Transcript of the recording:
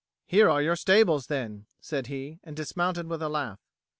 "Here are your stables then," said he, and dismounted with a laugh.